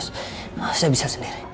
saya bisa sendiri